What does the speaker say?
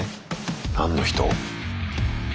何の人？